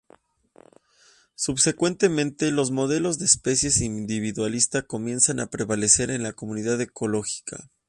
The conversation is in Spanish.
Subsecuentemente, los modelos de especies individualista comienzan a prevalecer en la comunidad ecológica.